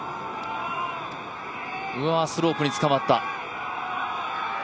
うわ、スロープにつかまった。